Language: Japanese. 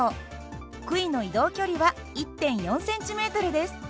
杭の移動距離は１．４ｃｍです。